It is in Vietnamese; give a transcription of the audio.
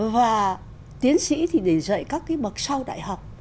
và tiến sĩ thì để dạy các cái bậc sau đại học